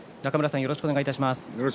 よろしくお願いします。